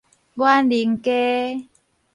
沅陵街